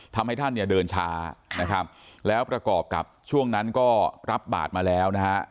ทำให้ท่านเนี่ยเดินช้านะครับแล้วประกอบกับช่วงนั้นก็รับบาทมาแล้วนะฮะ